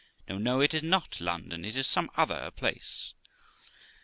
No, no, it is not London, it is some other place